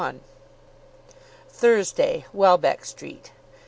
1; Thursday, Welbeck Street.